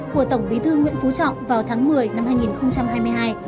của tổng bí thư nguyễn phú trọng vào tháng một mươi năm hai nghìn hai mươi hai